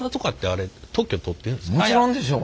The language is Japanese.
もちろんでしょう。